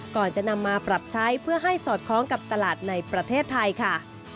ก่อนจะนำมาปรับใช้เพื่อให้สอดคล้องกับตลาดในประเทศไทยค่ะ